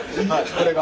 これが。